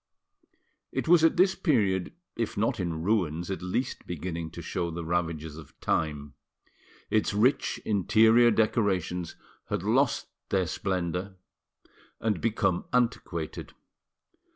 It was at this period if not in ruins at least beginning to show the ravages of time. Its rich interior decorations had lost their splendour and become antiquated.